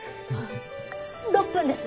６分です。